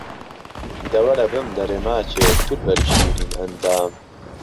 دە وەرە بمدەرێ ماچێ، دولبەری شیرین ئەندام